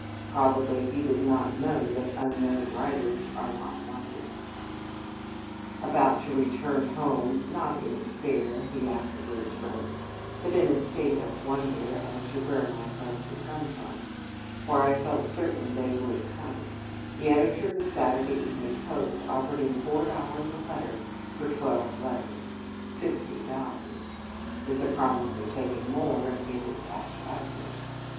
Probably he did not know that "unknown writers" are not wanted. About to return home, "not in despair," he afterwards wrote, "but in a state of wonder as to where my funds would come from, for I felt certain they would come," the editor of the "Saturday Evening Post" offered him four dollars a letter for twelve letters, fifty dollars, with the promise of taking more if they were satisfactory.